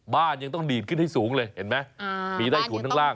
บ้านยังต้องดีดขึ้นให้สูงเลยเห็นไหมมีใต้ถุนข้างล่าง